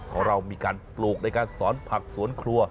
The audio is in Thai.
ของเรามีการปลูกในการสอนผักสวนครัว